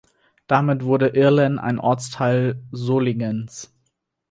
Damit wurde Irlen ein Ortsteil Solingens.